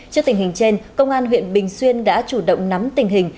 trước tình hình trên công an huyện bình xuyên đã chủ động nắm tình hình